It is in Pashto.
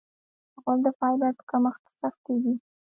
غول د فایبر په کمښت سختېږي.